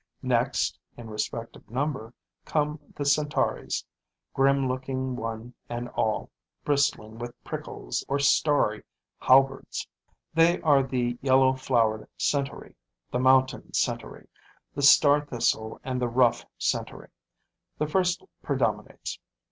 Next, in respect of number, come the centauries, grim looking one and all, bristling with prickles or starry halberds. They are the yellow flowered centaury, the mountain centaury, the star thistle and the rough centaury: the first predominates.